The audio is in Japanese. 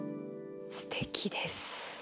すてきです。